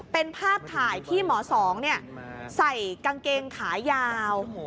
เป็นภาพถ่ายที่หมอสองใส่กางเกงขายาว